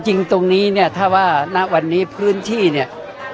จริงตรงนี้เนี่ยถ้าว่าณวันนี้พื้นที่เนี่ย